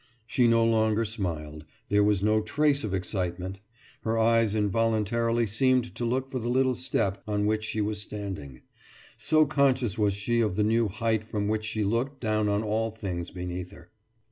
She no longer smiled; there was no trace of excitement; her eyes involuntarily seemed to look for the little step on which she was standing, so conscious was she of the new height from which she looked down on all things beneath her.